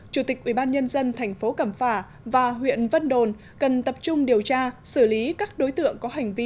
chủ tịch ubnd tp cẩm phả và huyện vân đồn cần tập trung điều tra xử lý các đối tượng có hành vi